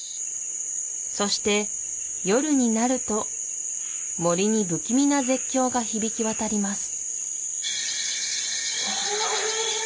そして夜になると森に不気味な絶叫が響き渡ります